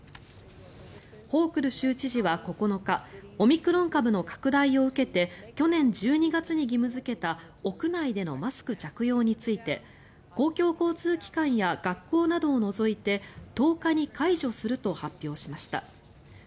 ホークル州知事は９日オミクロン株の拡大を受けて去年１２月に義務付けた屋内でのマスク着用について公共交通機関や学校などを除いて１０日に解除すると発表しました。